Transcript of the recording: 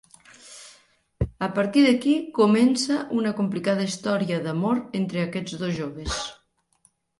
A partir d'aquí comença una complicada història d'amor entre aquests dos joves.